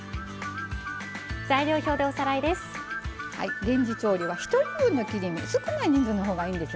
材料表でおさらいです。